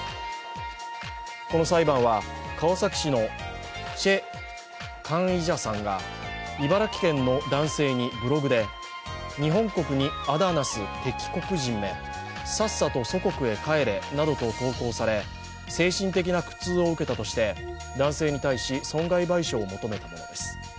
この裁判は、川崎市のチェ・カンイジャさんさんが茨城県の男性にブログで、日本国に仇なす敵国人め、さっさと祖国へ帰れなどと投稿され、精神的な苦痛を受けたとして、男性に対し損害賠償を求めたものです。